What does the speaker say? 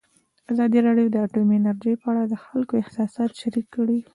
ازادي راډیو د اټومي انرژي په اړه د خلکو احساسات شریک کړي.